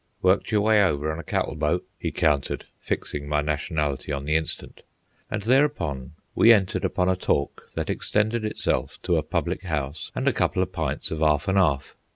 "Worked yer way over on a cattle boat?" he countered, fixing my nationality on the instant. And thereupon we entered upon a talk that extended itself to a public house and a couple of pints of "arf an' arf."